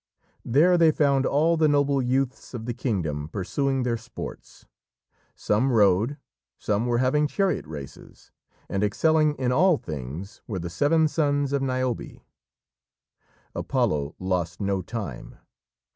There they found all the noble youths of the kingdom pursuing their sports. Some rode, some were having chariot races, and excelling in all things were the seven sons of Niobe. Apollo lost no time.